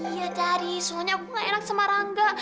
iya dari soalnya aku gak enak sama rangga